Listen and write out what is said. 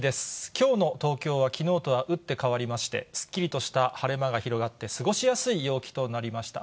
きょうの東京は、きのうとは打って変わりまして、すっきりとした晴れ間が広がって過ごしやすい陽気となりました。